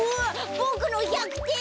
ボクの１００てん。